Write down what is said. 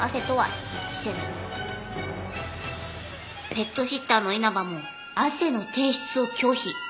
ペットシッターの稲葉も汗の提出を拒否。